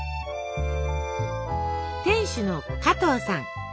店主の加藤さん。